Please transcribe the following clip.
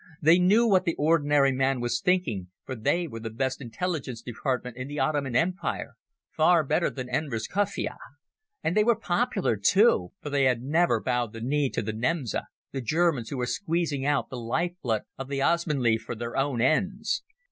They knew what the ordinary man was thinking, for they were the best intelligence department in the Ottoman Empire—far better than Enver's Khafiyeh. And they were popular, too, for they had never bowed the knee to the Nemseh—the Germans who are squeezing out the life blood of the Osmanli for their own ends.